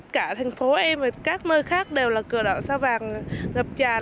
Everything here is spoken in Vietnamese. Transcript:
cả thành phố em và các nơi khác đều là cửa đoạn sao vàng ngập tràn